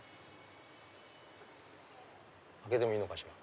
開けてもいいのかしら。